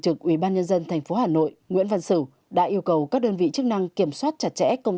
trực ubnd tp hà nội nguyễn văn sử đã yêu cầu các đơn vị chức năng kiểm soát chặt chẽ công